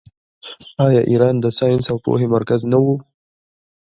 آیا ایران د ساینس او پوهې مرکز نه و؟